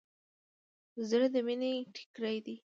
زړه د مینې ټیکری دی.